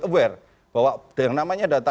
aware bahwa yang namanya data